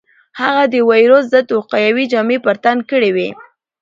هغه د وېروس ضد وقايوي جامې پر تن کړې وې.